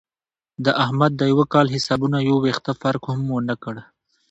د احمد د یوه کال حسابونو یو وېښته فرق هم ونه کړ.